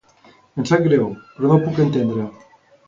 Em sap greu, però no ho puc entendre.